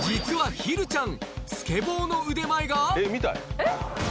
ひるちゃん？